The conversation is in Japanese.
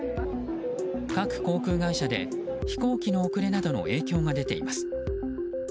各航空会社で飛行機の遅れなどの影響が出ています。